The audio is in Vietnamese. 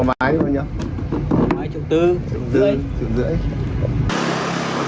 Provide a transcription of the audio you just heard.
máy chục tư chục rưỡi